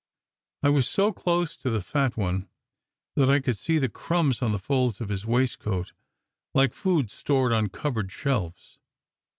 I was so close to the fat one that I could see the crumbs on the folds of his waistcoat, like food stored on cupboard shelves.